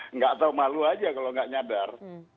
enggak tahu malu aja kalau enggak nyadar